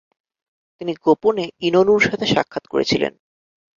তিনি গোপনে ইনোনুর সাথে সাক্ষাত করেছিলেন।